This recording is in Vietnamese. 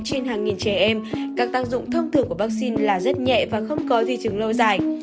trên hàng nghìn trẻ em các tác dụng thông thường của vaccine là rất nhẹ và không có di chứng lâu dài